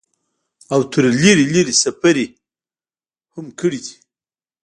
او تر لرې لرې سفرې هم کړي دي ۔